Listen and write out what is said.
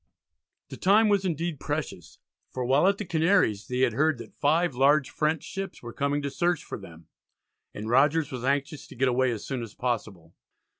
The time was indeed precious, for while at the Canaries they had heard that five large French ships were coming to search for them, and Rogers was anxious to get away as soon as possible.